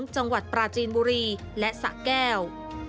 จังหวัดปราจีนบุรีและสะแก้ว